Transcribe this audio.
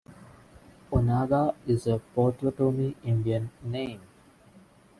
Onaga is a Potawatomi Indian name.